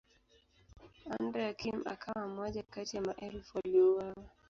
Andrea Kim akawa mmoja kati ya maelfu waliouawa.